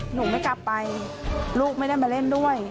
หนูไม่กลับไปลูกไม่ได้มาเล่นด้วย